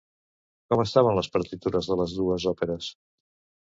Com estaven les partitures de les dues òperes?